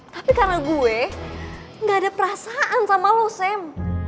tapi karena gue ga ada perasaan sama lo sam